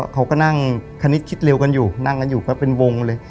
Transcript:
เขาก็นั่งคณิตคิดเร็วกันอยู่นั่งกันอยู่ก็เป็นวงเลย